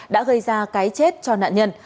đã gây ra cái chết cho nạn nhân